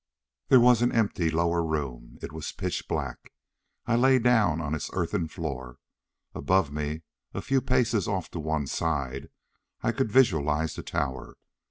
There was an empty lower room. It was pitch black. I lay down on its earthen floor. Above me, a few paces off to one side I could visualize the tower.